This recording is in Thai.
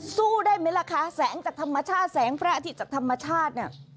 สู้ได้ไหมล่ะคะแสงจากธรรมชาติแสงพระอาทิตย์จากธรรมชาติเนี่ย